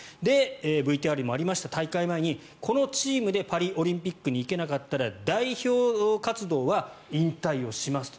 ＶＴＲにもありました大会前にこのチームでパリオリンピックに行けなかったら代表活動は引退をしますと。